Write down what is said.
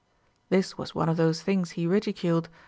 3. This Avas one of those thinofs he ridiculed.